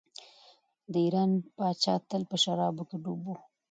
د ایران پاچا تل په شرابو کې ډوب و.